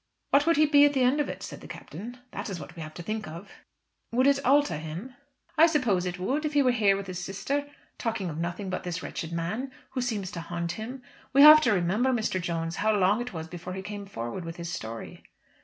"What would he be at the end of it?" said the Captain. "That is what we have to think of." "Would it alter him?" "I suppose it would, if he were here with his sister, talking of nothing but this wretched man, who seems to haunt him. We have to remember, Mr. Jones, how long it was before he came forward with his story."